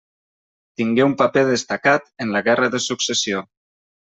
Tingué un paper destacat en la Guerra de Successió.